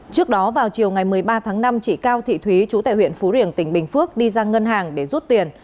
trước đó vào chiều ngày một mươi ba tháng năm chị cao thị thúy chú tại huyện phú riềng tỉnh bình phước đi ra ngân hàng để rút tiền